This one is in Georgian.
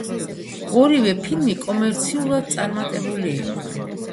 ორივე ფილმი კომერციულად წარმატებული იყო.